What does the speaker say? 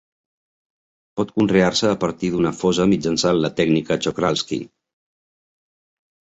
Pot conrear-se a partir d'una fosa mitjançant la tècnica Czochralski.